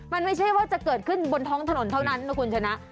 มันไม่ใช่ว่าจะเกิดขึ้นบนท้องถนนเท่านั้นนะคุณชนะ